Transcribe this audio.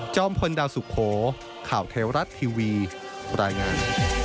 พลดาวสุโขข่าวเทวรัฐทีวีรายงาน